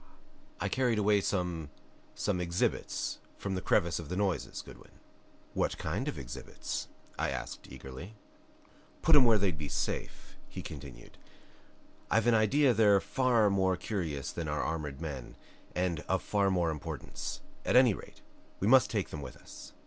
"I carried away some some exhibits from the crevice of the noises, Goodwin." "What kind of exhibits?" I asked, eagerly. "Put 'em where they'd be safe," he continued. "I've an idea they're far more curious than our armored men and of far more importance. At any rate, we must take them with us.